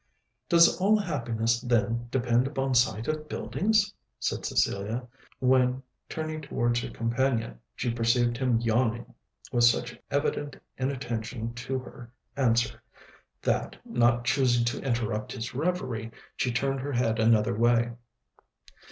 "Does all happiness, then, depend upon sight of buildings?" said Cecilia, when, turning towards her companion, she perceived him yawning, with such evident inattention to her answer that, not choosing to interrupt his reverie, she turned her head another way.